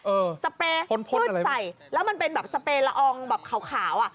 เออพ้นอะไรมั้ยสเปรย์มืดใส่แล้วมันเป็นแบบสเปรย์ละอองแบบขาว